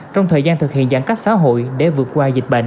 trong thời gian thực hiện giãn cách xã hội để vượt qua dịch bệnh